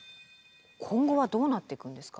今後はどうなっていくんですか？